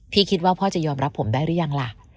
คิดว่าพ่อจะยอมรับผมได้หรือยังล่ะ